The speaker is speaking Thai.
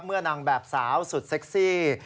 นางแบบสาวสุดเซ็กซี่